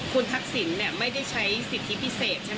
คุณนักศีลไม่ได้ใช้สิทธิพิเศษใช่ไหมครับ